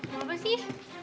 mau apa sih